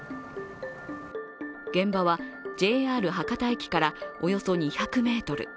現場はＪＲ博多駅からおよそ２００ｍ。